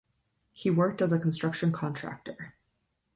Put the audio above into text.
He worked as a construction contractor.